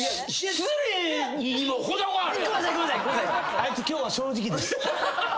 あいつ今日は正直です。